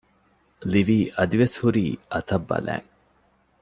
ލިވީ އަދިވެސް ހުރީ އަތަށް ބަލައިން